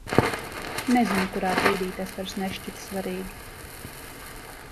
Nezinu, kurā brīdī tas vairs nešķita svarīgi.